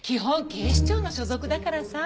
警視庁の所属だからさ。